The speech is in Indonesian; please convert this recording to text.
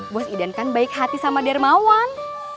bos idan kan baik hati sama dermawan